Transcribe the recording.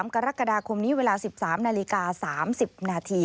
๒๐๑๓กรกฎาคมเวลา๑๓นาฬิกา๓๐นาที